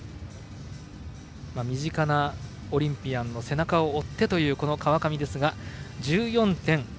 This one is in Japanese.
身近なオリンピアンの背中を追ってという川上ですが１４．７３３。